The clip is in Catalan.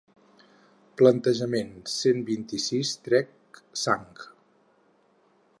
Plantejament cent vint-i-sis trec sang.